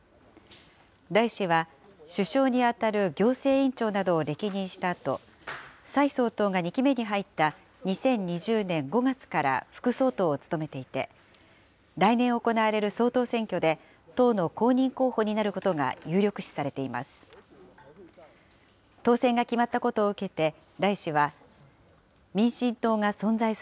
頼氏は首相に当たる行政院長などを歴任したあと、蔡総統が２期目に入った２０２０年５月から副総統を務めていて、来年行われる総統選挙で、党の公認候補になることが有力視されています。